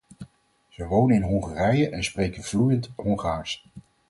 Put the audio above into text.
Ze wonen in Hongarije en spreken vloeiend Hongaars.